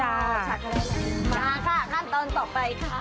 มาค่ะขั้นตอนต่อไปค่ะ